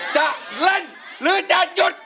จะเล่นหรือจะหยุด